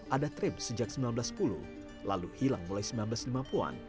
ada trip sejak seribu sembilan ratus sepuluh lalu hilang mulai seribu sembilan ratus lima puluh an